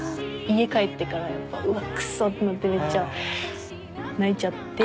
家帰ってからやっぱうわくそ！ってなってめっちゃ泣いちゃって。